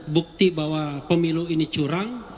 bukti bahwa pemilu ini curang